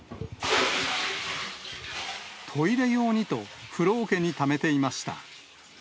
トイレ用にと、風呂おけにためていました。